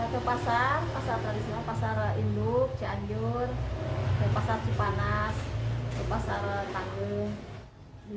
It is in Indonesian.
ke pasar pasar tradisional pasar induk cianjur pasar cupanas pasar tanggung